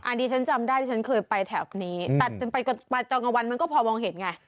อันนี้ฉันจำได้ที่ฉันเคยไปแถวนี้แต่จะไปตอนกลางวันมันก็พอมองเห็นไง